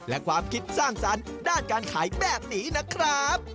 และความคิดสร้างสรรค์ด้านการขายแบบนี้นะครับ